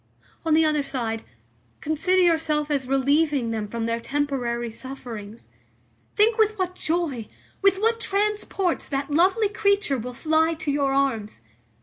On the other side, consider yourself as relieving them from their temporary sufferings. Think with what joy, with what transports that lovely creature will fly to your arms.